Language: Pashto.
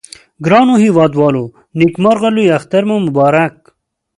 ګرانو هیوادوالو نیکمرغه لوي اختر مو مبارک